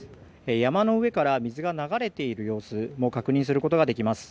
山の上から水が流れている様子も確認することができます。